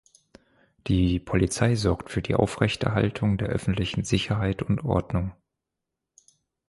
Die Polizei sorgt für die Aufrechterhaltung der öffentlichen Sicherheit und Ordnung.